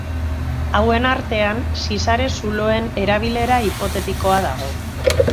Hauen artean zizare zuloen erabilera hipotetikoa dago.